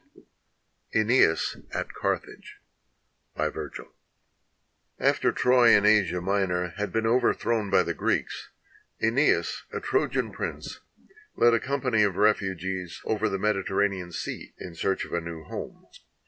267 iENEAS AT CARTHAGE BY VIRGIL [After Troy in Asia Minor had been overthrown by the Greeks, ^neas, a Trojan prince, led a company of refugees over the Mediterranean Sea in search of a new home.